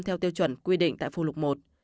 theo tiêu chuẩn quy định tại phù lục một